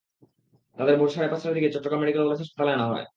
তাঁদের ভোর সাড়ে পাঁচটার দিকে চট্টগ্রাম মেডিকেল কলেজ হাসপাতালে আনা হয়।